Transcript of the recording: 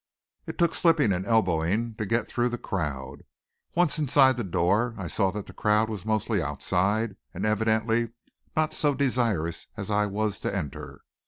It took slipping and elbowing to get through the crowd. Once inside the door I saw that the crowd was mostly outside, and evidently not so desirous as I was to enter.